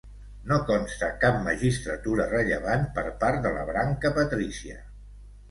No consta cap magistratura rellevant per part de la branca patrícia.